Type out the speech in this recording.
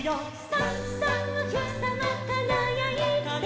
「さんさんおひさまかがやいて」「」